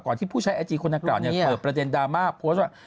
ที่ผู้ใช้ไอจีคนนางกล่าวเนี่ยเปิดประเด็นดราม่าโพสต์ว่า